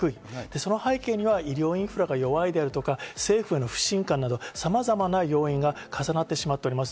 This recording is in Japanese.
その背景には医療インフラが弱いとか、政府への不信感など、さまざまな要因が重なってしまっています。